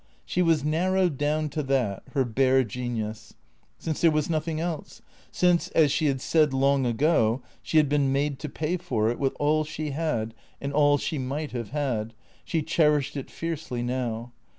She was narrowed down to that, her bare genius. Since there was nothing else; since, as she had said long ago, she had been made to pay for it with all she had and all she might have had, she cherished it fiercely now.